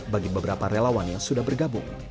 bagi beberapa relawan yang sudah bergabung